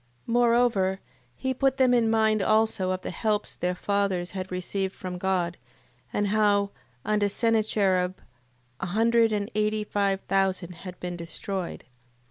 8:19. Moreover, he put them in mind also of the helps their fathers had received from God: and how, under Sennacherib, a hundred and eighty five thousand had been destroyed.